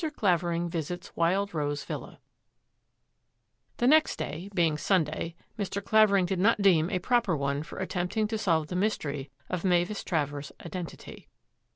CLAVERING VISITS W^ILD ROSE VILLA The next day, being Sunday, Mr. Clavering did not deem a proper one for attempting to solve the mystery of Mavis Travers' identity.